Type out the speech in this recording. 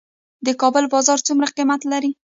د کابل بازان څومره قیمت لري؟